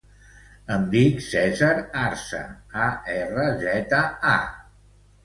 Em dic Cèsar Arza: a, erra, zeta, a.